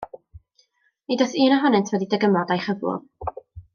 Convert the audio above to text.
Nid oes un ohonynt wedi dygymod â'i chyflwr.